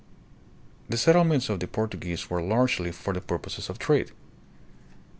The settlements of the Portuguese were largely for the purposes of trade.